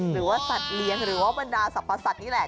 หรือว่าสัตว์เลี้ยงหรือว่าบรรดาสรรพสัตว์นี่แหละ